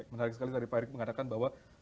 menarik sekali tadi pak erick mengatakan bahwa